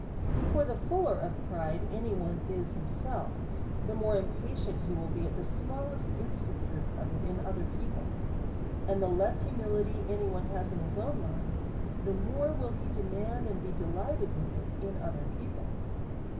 For the fuller of pride any one is himself, the more impatient ivill he be at the smallest instances of it in other people. And the less humility any one has in his own mind, the more will he demand, and be de lighted with it in other people.